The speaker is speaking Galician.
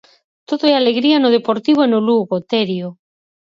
Todo é alegría no Deportivo e no Lugo, Terio.